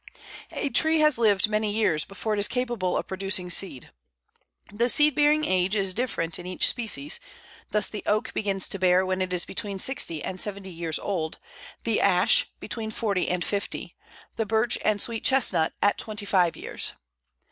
A tree has lived many years before it is capable of producing seed. The seed bearing age is different in each species; thus the Oak begins to bear when it is between sixty and seventy years old, the Ash between forty and fifty, the Birch and Sweet Chestnut at twenty five years.